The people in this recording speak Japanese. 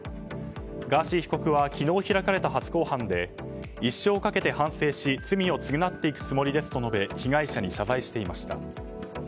ガーシー被告は昨日開かれた初公判で一生かけて反省し罪を償っていくつもりですと述べ、被害者に謝罪していました。